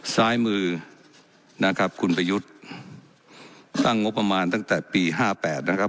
ซ้ายมือนะครับคุณประยุทธ์สร้างงบประมาณตั้งแต่ปีห้าแปดนะครับ